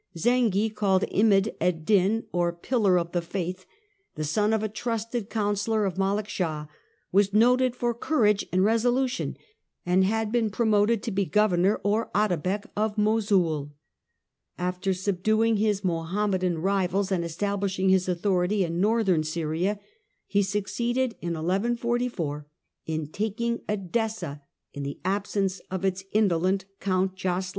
Zengy, called Imad ed din, or " Pillar of the Faith," the son of a trusted counsellor of Malek Shah, was noted for courage and resolution, and had been promoted to be governor or " Atabek " of Mosul. After subduing his Mohammedan rivals and establishing his authority in Northern Syria, he succeeded in 1144 in Capture of Edessa by taking Edessa in the absence of its indolent Count, Zengy.